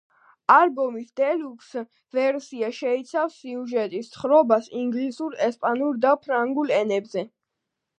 ალბომის დელუქს ვერსია შეიცავს სიუჟეტის თხრობას ინგლისურ, ესპანურ და ფრანგულ ენებზე.